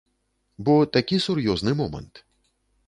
Бо такі сур'ёзны момант.